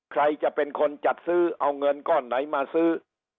ใครจะเป็นคนจัดซื้อเอาเงินก้อนไหนมาซื้อ